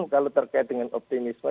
kalau terkait dengan optimisme